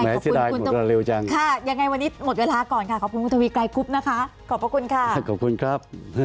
แม้สิดายหมดเวลาเร็วจังค่ะยังไงขอบคุณคุณทวีกลายกรุ๊ปนะคะขอบพระคุณค่ะขอบคุณครับ